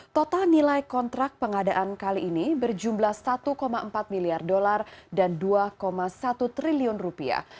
total nilai kontrak pengadaan kali ini berjumlah satu empat miliar dolar dan dua satu triliun rupiah